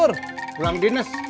selamat pulang dines